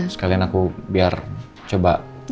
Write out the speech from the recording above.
sekalian aku biar coba